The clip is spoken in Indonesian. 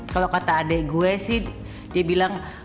kalau kata adik gue sih dia bilang